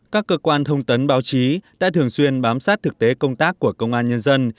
các cơ quan thông tấn báo chí đã thường xuyên bám sát thực tế công tác của công an nhân dân